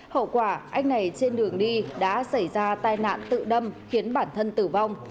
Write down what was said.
hậu quả anh này trên đường đi đã xảy ra tai nạn tự đâm khiến bản thân tử vong